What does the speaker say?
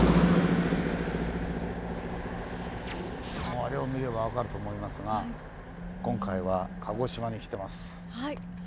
もうあれを見れば分かると思いますが今回は鹿児島に来てます。